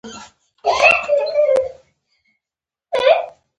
سپېرې دوړې د موټرو تر شا پورته کېدلې.